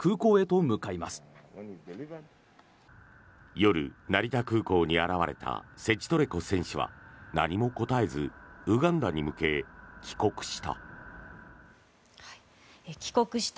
夜、成田空港に現れたセチトレコ選手は何も答えずウガンダに向け帰国した。